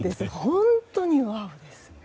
本当にワオ！です。